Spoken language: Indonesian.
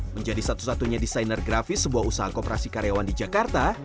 menjadi satu satunya desainer grafis sebuah usaha kooperasi karyawan di jakarta